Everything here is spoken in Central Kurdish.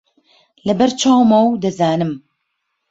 لەبەر چاومە و دەزانم